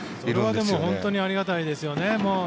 それは本当にありがたいですよね。